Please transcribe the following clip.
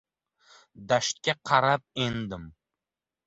Dashtga qarab endim.